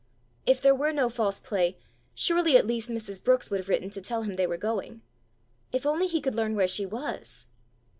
If there were no false play, surely at least Mrs. Brookes would have written to tell him they were going! If only he could learn where she was!